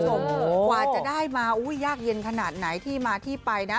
กว่าจะได้มายากเย็นขนาดไหนที่มาที่ไปนะ